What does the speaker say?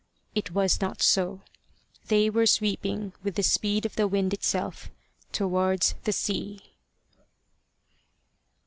It was not so. They were sweeping with the speed of the wind itself towards the sea.